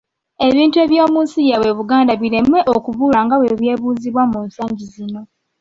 Ebintu eby'omu nsi yaabwe Buganda bireme okubula nga bwe byebuuzibwa mu nsangi zino.